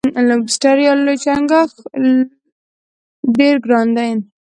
لوبسټر یا لوی چنګاښ ډیر ګران دی.